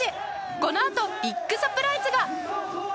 このあとビッグサプライズが！